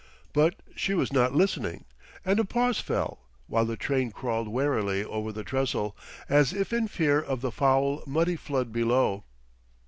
But she was not listening; and a pause fell, while the train crawled warily over the trestle, as if in fear of the foul, muddy flood below.